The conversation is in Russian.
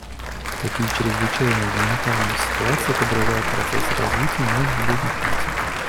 Такие чрезвычайные гуманитарные ситуации подрывают процесс развития многих бедных наций.